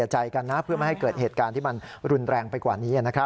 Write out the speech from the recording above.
ใช่ค่ะ